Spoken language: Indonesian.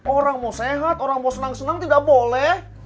orang mau sehat orang mau senang senang tidak boleh